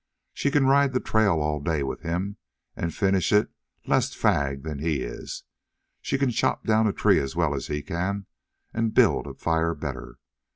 She can ride the trail all day with him and finish it less fagged than he is. She can chop down a tree as well as he can, and build a fire better.